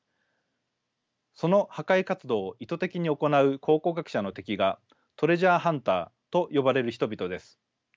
その破壊活動を意図的に行う考古学者の敵がトレジャーハンターと呼ばれる人々です。